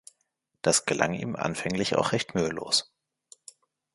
Das gelang ihm anfänglich auch recht mühelos.